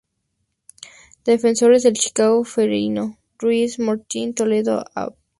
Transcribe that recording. Defensores del Chaco, Ceferino Ruiz, Fortín Toledo, Av.